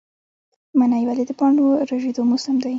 منی ولې د پاڼو ریژیدو موسم دی؟